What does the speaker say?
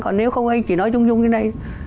còn nếu không hay chỉ nói chung chung như thế này